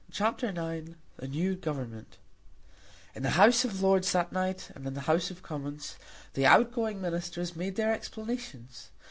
CHAPTER IX The New Government In the House of Lords that night, and in the House of Commons, the outgoing Ministers made their explanations.